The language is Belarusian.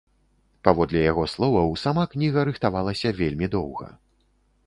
Паводле яго словаў, сама кніга рыхтавалася вельмі доўга.